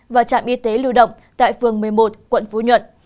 và trạm y tế lưu động tại phường một mươi một quận phú nhuận